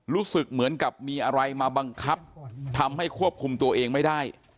รู้สึกเหมือนกับมีอะไรมาบังคับทำให้ควบคุมตัวเองไม่ได้